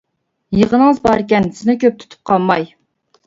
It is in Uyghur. يىغىنىڭىز باركەن، سىزنى كۆپ تۇتۇپ قالماي.